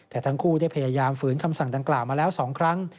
แต่ทั้งคู่ได้พยายามฝืนคำสั่งดังกล่าวมาแล้ว๒ครั้ง